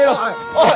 おい！